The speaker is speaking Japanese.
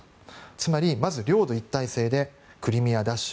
つまりまず領土一体性でクリミア奪取